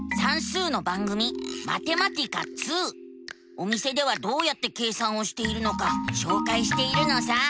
お店ではどうやって計算をしているのかしょうかいしているのさ。